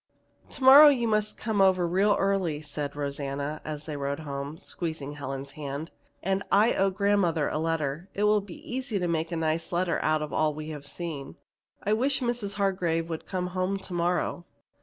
"Tomorrow you must come over real early," said Rosanna as they rode home, squeezing Helen's hand. "And I owe grandmother a letter. It will be easy to make a nice letter out of all we have seen. I wish Mrs. Hargrave would come home to morrow."